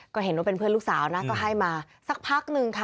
ก็เห็นว่าเป็นเพื่อนลูกสาวนะก็ให้มาสักพักนึงค่ะ